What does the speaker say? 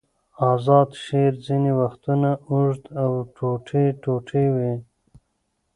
آزاد شعر ځینې وختونه اوږد او ټوټې ټوټې وي.